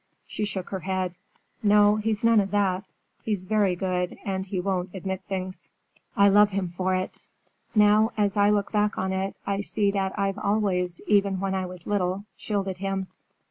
She shook her head. "No, he's none of that. He's very good, and he won't admit things. I love him for it. Now, as I look back on it, I see that I've always, even when I was little, shielded him."